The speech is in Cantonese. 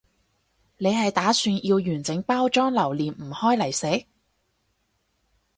你係打算要完整包裝留念唔開嚟食？